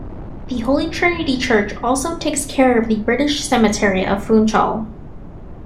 The Holy Trinity Church also takes care of the British Cemetery of Funchal.